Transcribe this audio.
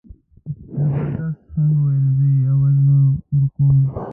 زبردست خان وویل زه یې اول نه ورکوم.